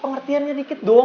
pengertiannya dikit dong